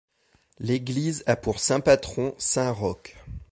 L'église a pour saint-patron saint Roch.